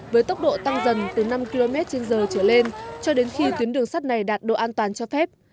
với tốc độ tăng dần từ năm km trên giờ trở lên cho đến khi tuyến đường sắt này đạt độ an toàn cho phép